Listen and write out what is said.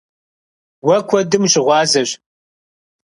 Уэ куэдым ущыгъуазэщ.